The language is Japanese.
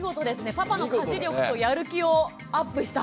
パパの家事力とやる気をアップした。